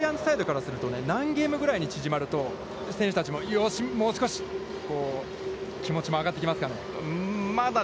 ジャイアンツサイドからすると何ゲームぐらいに縮まると、選手たちもよし、もう少し気持ちも上がってきますかね。